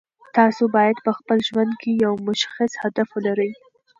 تاسو باید په خپل ژوند کې یو مشخص هدف ولرئ.